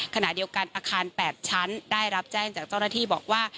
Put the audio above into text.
ขณะเดียวกันอาคาร๘ชั้นได้รับแจ้งจากเจ้าหน้าที่บอกว่า